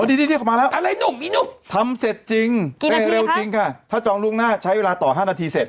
ดีออกมาแล้วทำเสร็จจริงเร็วจริงค่ะถ้าจองลูกหน้าใช้เวลาต่อ๕นาทีเสร็จ